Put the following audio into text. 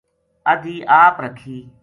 ادھی آپ رکھی